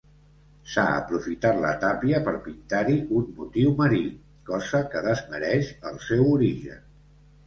S'ha aprofitat la tàpia per pintar-hi un motiu marí, cosa que desmereix el seu origen.